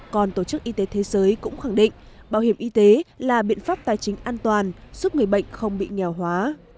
còn tổ chức y tế thế giới cũng khẳng định bảo hiểm y tế là biện pháp tài chính an toàn giúp người bệnh không bị nghèo hóa